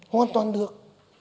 hoàn toàn được